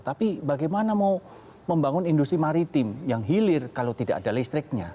tapi bagaimana mau membangun industri maritim yang hilir kalau tidak ada listriknya